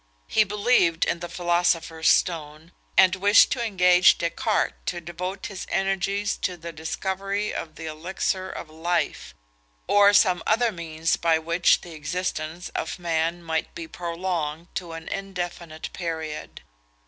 He believed in the philosopher's stone, and wished to engage Descartes to devote his energies to the discovery of the elixir of life, or some other means by which the existence of man might be prolonged to an indefinite period.